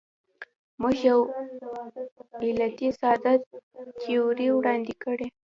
موږ یو علتي ساده تیوري وړاندې کړې.